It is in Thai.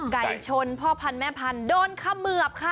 ไก่ชนพ่อพันธุ์แม่พันธุ์โดนเขมือบค่ะ